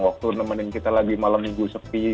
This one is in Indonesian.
waktu nemenin kita lagi malam minggu sepi